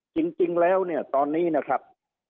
จริงแล้วเนี่ยตอนนี้นะครับ